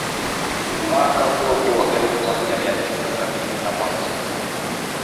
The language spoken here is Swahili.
Mwaka huo huo elfu moja mia tisa sabini na moja